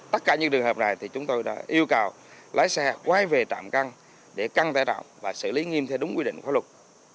tất cả những trường hợp này thì chúng tôi đã yêu cầu lái xe quay về trạm cân để cân tải trọng và xử lý nghiêm theo đúng quy định khóa luật